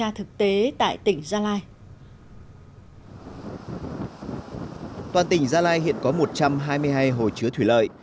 an toàn hồ đập tại tỉnh gia lai toàn tỉnh gia lai hiện có một trăm hai mươi hai hồ chứa thủy lợi